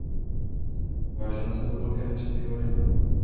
Váže na sebe velké množství vody.